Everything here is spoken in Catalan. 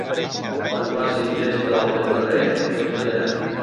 Quan facin festa al meu carrer, tots ballarem.